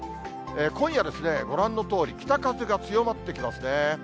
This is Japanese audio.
今夜ですね、ご覧のとおり、北風が強まってきますね。